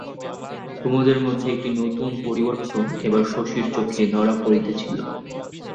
কুমুদের মধ্যে একটা নূতন পরিবর্তন এবার শশীর চোখে ধরা পড়িতেছিল।